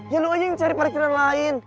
ya lo aja yang cari parkiran lain